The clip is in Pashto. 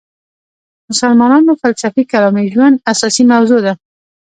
مسلمانانو فلسفي کلامي ژوند اساسي موضوع ده.